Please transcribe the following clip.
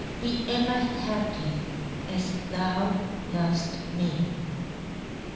Be ever happy, As thou lov'st me!